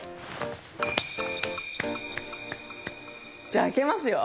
じゃあ開けますよ。